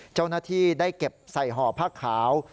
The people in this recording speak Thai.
เจ้าหน้าที่ได้เก็บใส่ห่อผ้าขาว